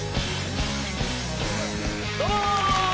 どうも！